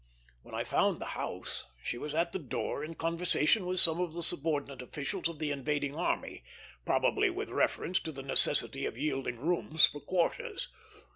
When I found the house, she was at the door, in conversation with some of the subordinate officials of the invading army, probably with reference to the necessity of yielding rooms for quarters.